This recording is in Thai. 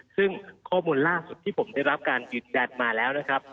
ซึ่งข้อมูลล่าสุดที่ผมได้รับการยืนยันมาแล้วนะครับ